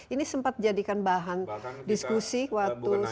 ini sempat jadikan bahan diskusi waktu saat kongres ini